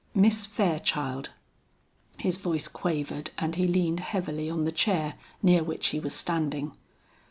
Miss Fairchild " his voice quavered and he leaned heavily on the chair near which he was standing.